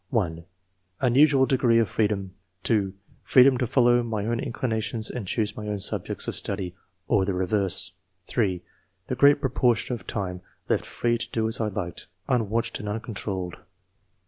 (1) " Unusual degree of freedom. jf (2) '* Freedom to follow my own inclinations and choose my own subjects of study, or the reverse." (3) " The great proportion of time left free to do as I liked, unwatched and uncontrolled."